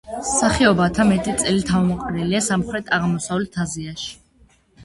სახეობათა მეტი წილი თავმოყრილია სამხრეთ-აღმოსავლეთ აზიაში.